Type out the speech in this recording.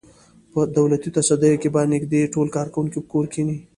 په دولتي تصدیو کې به نږدې ټول کارکوونکي کور کېني.